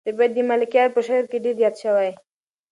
طبیعت د ملکیار په شعر کې ډېر یاد شوی.